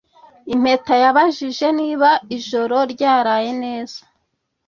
Impeta yabajije niba ijoro ryaraye neza